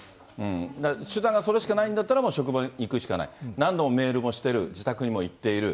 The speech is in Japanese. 手段がそれしかないなら、職場に行くしかない、何度もメールもしてる、自宅にも行っている。